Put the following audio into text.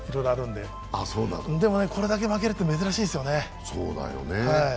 でも、これだけ負けるって珍しいですよね。